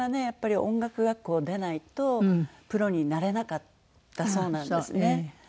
やっぱり音楽学校を出ないとプロになれなかったそうなんですね。